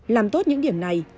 làm tốt những điểm này